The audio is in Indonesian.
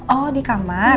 oh di kamar